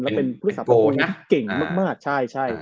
และเป็นผู้ศัพท์เก่งมากใช่